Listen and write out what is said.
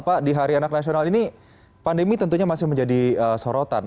pak di hari anak nasional ini pandemi tentunya masih menjadi sorotan